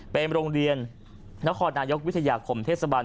เป็นโรงเรียนนครนายกวิทยาคมเทศบาล